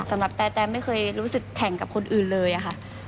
แตมไม่เคยรู้สึกแข่งกับคนอื่นเลยค่ะ